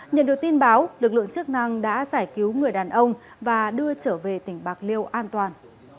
nhận được tin báo lực lượng chức năng đã giải cứu người đàn ông và đưa trở về tỉnh bạc liêu an toàn